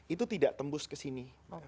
itu tidak tembus kesini